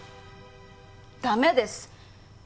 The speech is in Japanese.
駄目です。